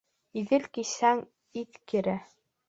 Иҙел кисһәң, иҫ керә.